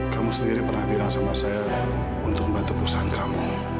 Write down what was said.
kamu sendiri pernah bilang sama saya untuk membantu perusahaan kamu